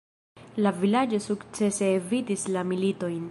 La vilaĝo sukcese evitis la militojn.